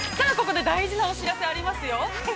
◆ここで大事なお知らせがありますよ。